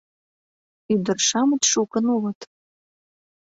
— Ӱдыр-шамыч шукын улыт.